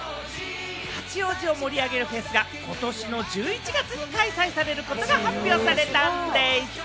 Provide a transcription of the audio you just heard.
八王子を盛り上げるフェスがことしの１１月に開催されることが発表されたんでぃす。